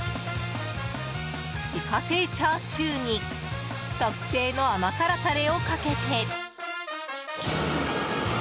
自家製チャーシューに特製の甘辛タレをかけて。